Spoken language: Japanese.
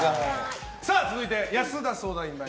続いて、保田相談員。